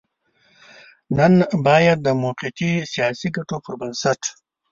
نن نه بايد د موقتي سياسي ګټو پر بنسټ.